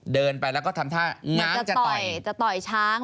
เดินไปแล้วก็ทำท่าง้างจะต่อยจะต่อยช้าง